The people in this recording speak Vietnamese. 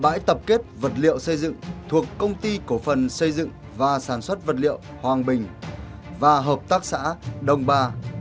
bãi tập kết vật liệu xây dựng thuộc công ty cổ phần xây dựng và sản xuất vật liệu hoàng bình và hợp tác xã đồng ba